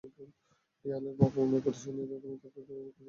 ইয়ালের অপমানের প্রতিশোধ নিতে, তুমি তাকে মেরে ফেলেছ।